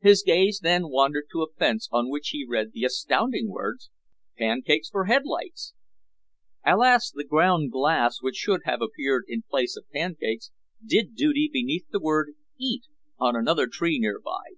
His gaze then wandered to a fence on which he read the astounding words: PANCAKES FOR HEADLIGHTS Alas, the ground glass which should have appeared in place of pancakes did duty beneath the single word EAT on another tree nearby.